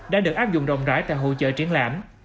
đã được áp dụng rộng rãi tại hỗ trợ triển lãm